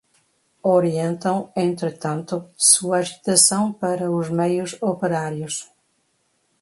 orientam entretanto sua agitação para os meios operários